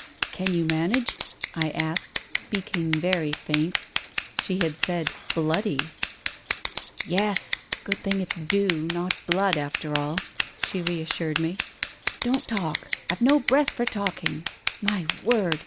"Can you manage?" I asked, speaking very faint. She had said "bloody"! " Yes. Good thing it's dew, not blood, after all !" she reassured me. "Don't talk. I've no breath for talking. My word